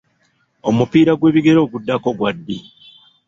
Omupiira gw'ebigere oguddako gwa ddi?